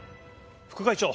副会長。